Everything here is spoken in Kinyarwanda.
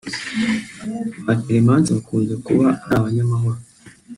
Ba Clémence bakunze kuba ari abanyamahoro